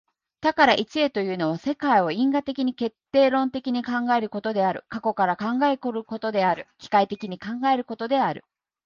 多から一へというのは、世界を因果的に決定論的に考えることである、過去から考えることである、機械的に考えることである。